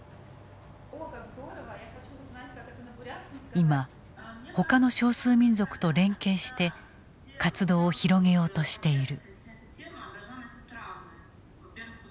今ほかの少数民族と連携して活動を広げようとしている。